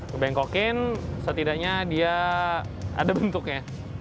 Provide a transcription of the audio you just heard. kebengkokin setidaknya dia ada bentuknya